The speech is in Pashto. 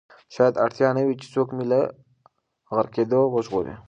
شاید اړتیا نه وي چې څوک مې له غرقېدو وژغوري.